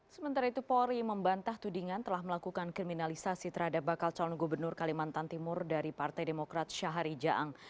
sementara itu polri membantah tudingan telah melakukan kriminalisasi terhadap bakal calon gubernur kalimantan timur dari partai demokrat syahari jaang